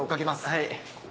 はい。